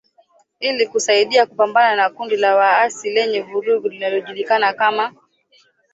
ili kusaidia kupambana na kundi la waasi lenye vurugu linalojulikana kama